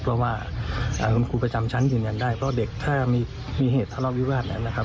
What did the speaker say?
เพราะว่าคุณครูประจำชั้นยืนยันได้เพราะเด็กถ้ามีเหตุทะเลาวิวาสแล้วนะครับ